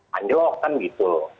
panjok kan gitu loh